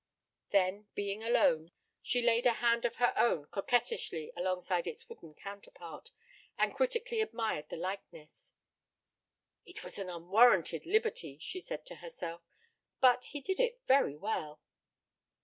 Then, being alone, she laid a hand of her own coquettishly alongside its wooden counterpart, and critically admired the likeness. "It was an unwarranted liberty," she said to herself, "but he did it very well."